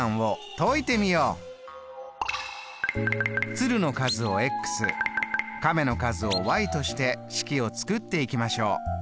鶴の数を亀の数をとして式を作っていきましょう。